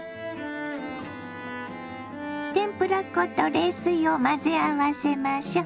天ぷら粉と冷水を混ぜ合わせましょ。